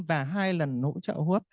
và hai lần hỗ trợ hỗ hấp